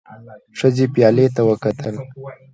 ښځې پيالې ته وکتل.